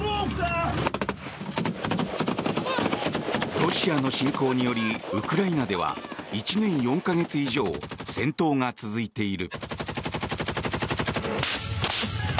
ロシアの侵攻によりウクライナでは１年４か月以上戦闘が続いている。